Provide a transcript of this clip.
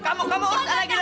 kamu kamu urus anak gilang itu